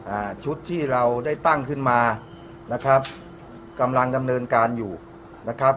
อ่าชุดที่เราได้ตั้งขึ้นมานะครับกำลังดำเนินการอยู่นะครับ